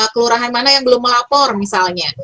kelurahan mana yang belum melapor misalnya